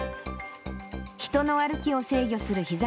人の歩きを制御するひざ